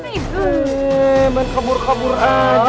eh menkabur kabur aja